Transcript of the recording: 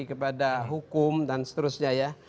kepada hukum dan seterusnya